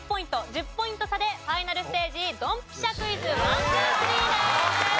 １０ポイント差でファイナルステージドンピシャクイズ１・２・３です。